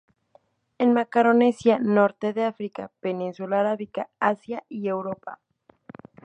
En Macaronesia, Norte de África, Península Arábiga, Asia y Europa.